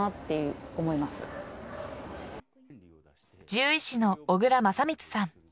獣医師の小倉政光さん。